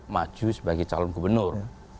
maju sebagai calon gubernur